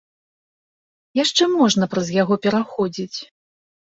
Яшчэ можна праз яго пераходзіць.